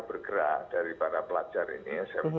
bergerak dari para pelajar ini sma